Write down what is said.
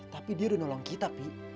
tapi dia udah nolong kita pi